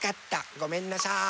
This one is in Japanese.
ごめんなさい。